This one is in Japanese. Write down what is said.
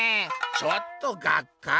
ちょっとがっかり」。